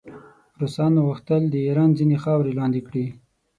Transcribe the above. روسانو غوښتل د ایران ځینې خاورې لاندې کړي.